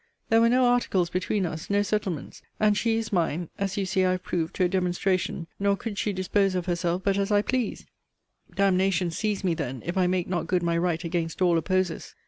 There were no articles between us, no settlements; and she is mine, as you see I have proved to a demonstration; nor could she dispose of herself but as I pleased. D n n seize me then if I make not good my right against all opposers!